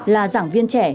là giảng viên trẻ